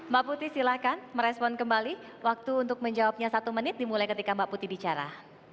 mbak putih silahkan merespon kembali waktu untuk menjawabnya satu menit dimulai ketika mbak putih bicara